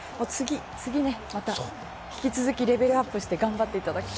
次ね、また引き続きレベルアップして頑張っていただきたい。